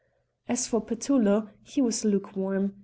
As for Petullo, he was lukewarm.